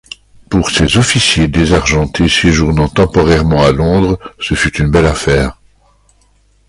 Pour ces officiers désargentés séjournant temporairement à Londres, ce fut une belle affaire.